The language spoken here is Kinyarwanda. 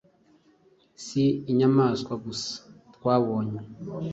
Si inyamaswa gusa twabonye